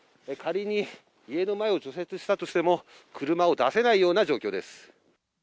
仮に家の前を除雪したとしても、車を出さないような状況です。